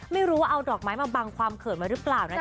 ไม่รู้ว่าเอาดอกไม้มาบังความเขินมาหรือเปล่านะจ